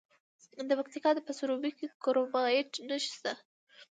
د پکتیکا په سروبي کې د کرومایټ نښې شته.